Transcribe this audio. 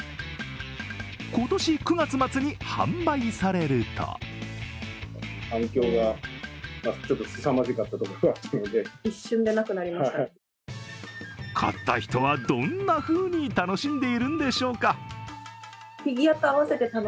今年９月末に販売されると買った人はどんなふうに楽しんでいるんでしょうか。